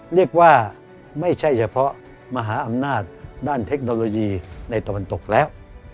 เรียกว่าไม่ใช่เฉพาะมหาอำนาจด้านเทคโนโลยีในตะวันตกแล้ว